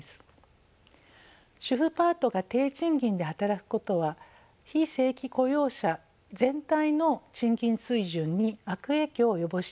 主婦パートが低賃金で働くことは非正規雇用者全体の賃金水準に悪影響を及ぼしています。